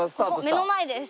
目の前です。